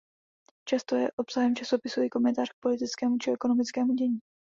Často je obsahem časopisu i komentář k politickému či ekonomickému dění.